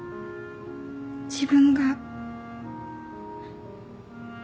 自分が